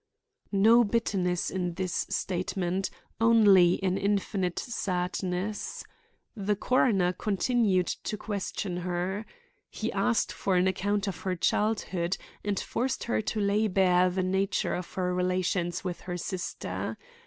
No bitterness in this statement, only an infinite sadness. The coroner continued to question her. He asked for an account of her childhood, and forced her to lay bare the nature of her relations with her sister.